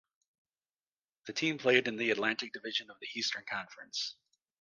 The team played in the Atlantic Division of the Eastern Conference.